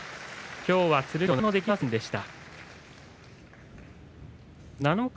きょうは剣翔何もできませんでした。